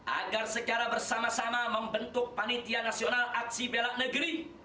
agar secara bersama sama membentuk panitia nasional aksi bela negeri